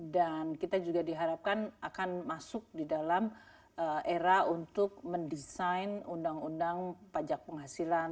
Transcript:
dan kita juga diharapkan akan masuk di dalam era untuk mendesain undang undang pajak penghasilan